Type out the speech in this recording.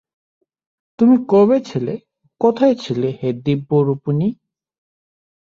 তুমি কবে ছিলে, কোথায় ছিলে হে দিব্যরূপিণী।